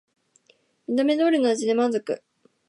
見た目通りの味で満足